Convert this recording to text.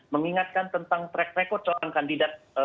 mengingatkan tentang track record seorang kandidat